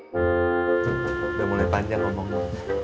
sudah mulai panjang ngomongnya